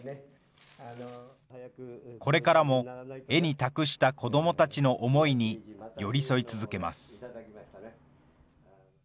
これからも絵に託した子どもたちの思いに寄り添い続けます。